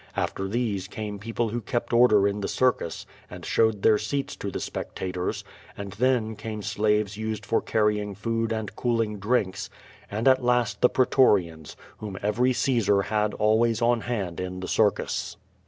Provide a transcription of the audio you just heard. After these came people who kept order in the circus and showed their seats to the spectators, and then came slaves used for carrying food and cooling drinks, and at last the pretorians, whom every Caesar had alwnays on hand in the circus.